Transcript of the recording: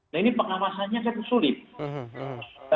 nah ini pengawasannya sulit